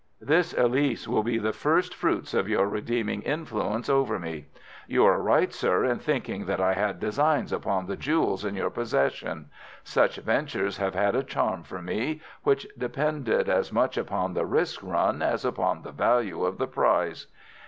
'This, Elise, shall be the first fruits of your redeeming influence over me. You are right, sir, in thinking that I had designs upon the jewels in your possession. Such ventures have had a charm for me, which depended as much upon the risk run as upon the value of the prize.